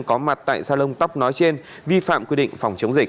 có mặt tại salon tóc nói trên vi phạm quy định phòng chống dịch